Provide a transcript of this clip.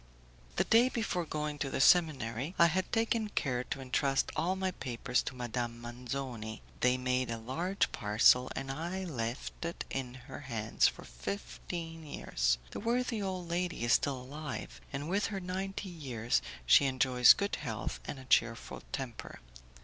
The day before going to the seminary, I had taken care to entrust all my papers to Madame Manzoni. They made a large parcel, and I left it in her hands for fifteen years. The worthy old lady is still alive, and with her ninety years she enjoys good health and a cheerful temper.